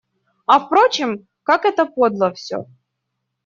А впрочем, как это подло всё.